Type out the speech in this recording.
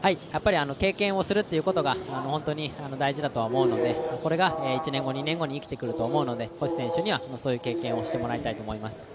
経験をすることが大事だと思うので、これが１年後、２年後に生きていると思うので、星選手にはそういう経験をしてもらいたいと思います。